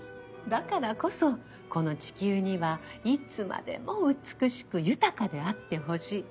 だからこそこの地球にはいつまでも美しく豊かであってほしい。